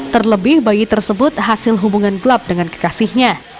terlebih bayi tersebut hasil hubungan gelap dengan kekasihnya